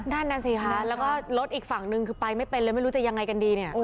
นั่นน่ะสิคะแล้วก็รถอีกฝั่งนึงคือไปไม่เป็นเลยไม่รู้จะยังไงกันดีเนี่ย